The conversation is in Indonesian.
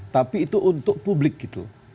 tapi itu untuk publik gitu